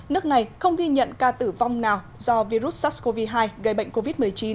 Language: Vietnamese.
nước này không ghi nhận ca tử vong nào do virus sars cov hai gây bệnh covid một mươi chín